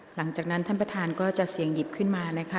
หลังจากนั้นท่านประธานก็จะเสี่ยงหยิบขึ้นมานะคะ